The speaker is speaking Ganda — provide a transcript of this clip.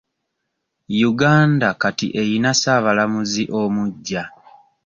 Uganda kati eyina ssaabalamuzi omugya.